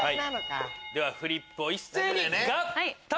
ではフリップを一斉に合体！